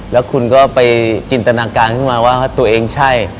แล้วคุณก็ไปจินตนาการขึ้นมาว่าตัวเองใช่